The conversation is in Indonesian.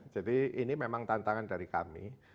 jadi ini memang tantangan dari kami